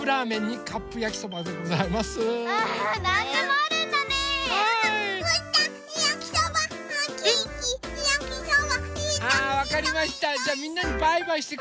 あわかりました。